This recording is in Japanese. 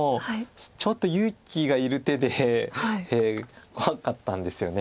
ちょっと勇気がいる手で怖かったんですよね。